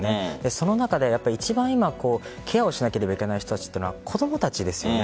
その中で一番今ケアをしなければいけない人たちは子供たちですよね。